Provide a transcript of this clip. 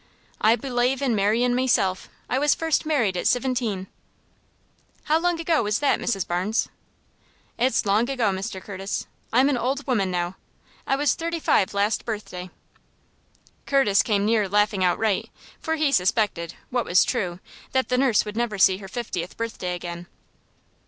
"I belave in marryin', meself. I was first married at sivinteen." "How long ago was that, Mrs. Barnes?" "It's long ago, Mr. Curtis. I'm an old woman now. I was thirty five last birthday." Curtis came near laughing outright, for he suspected what was true that the nurse would never see her fiftieth birthday again.